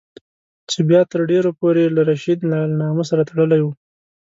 چې بیا تر ډېرو پورې له رشید له نامه سره تړلی وو.